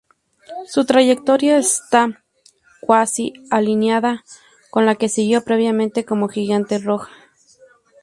Su trayectoria está cuasi-alineada con la que siguió previamente como gigante roja.